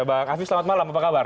bang afif selamat malam apa kabar